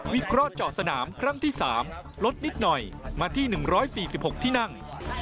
วิเคราะห์เจาะสนามครั้งที่๓ลดนิดหน่อยมาที่๑๔๖ที่นั่ง